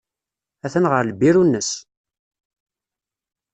Atan ɣer lbiru-nnes.